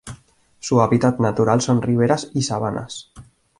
Su hábitat natural son riberas y sabanas.